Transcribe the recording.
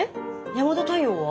山田太陽は？